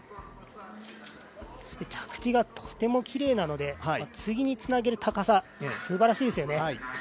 着地がとてもきれいなので、次につなげる高さ、すばらしいですよね。